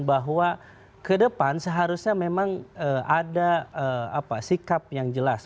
bahwa ke depan seharusnya memang ada sikap yang jelas